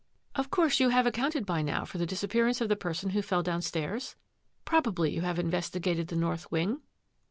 Of course you have accounted by now for the dis appearance of the person who fell down stairs? Probably you have investigated the north wing?